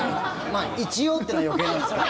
まあ、一応っていうのは余計なんですけど。